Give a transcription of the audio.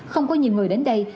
không có nhiều người đến đây